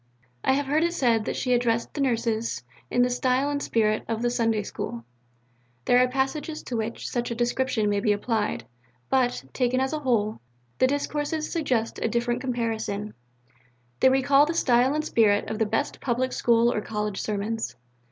I have heard it said that she addressed the Nurses in the style and spirit of the Sunday School. There are passages to which such a description may be applied; but, taken as a whole, the discourses suggest a different comparison: they recall the style and spirit of the best Public School or College Sermons.